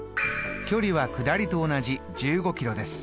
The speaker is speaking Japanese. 距離は下りと同じ１５キロです。